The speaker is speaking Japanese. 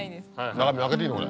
中身開けていいの？